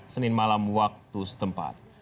senin malam waktu setempat